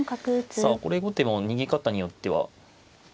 さあこれ後手も逃げ方によっては。